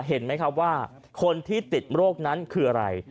เห็นไหมครับว่าคนที่ติดโรคนั้นคืออะไร